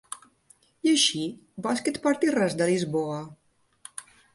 I així, vols que et porti res, de Lisboa?